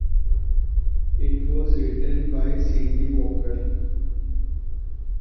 It was written by Cindy Walker.